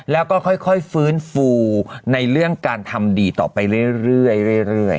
แล้วก็ค่อยฟื้นฟูในเรื่องการทำดีต่อไปเรื่อย